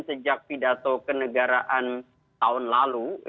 sejak pidato kenegaraan tahun lalu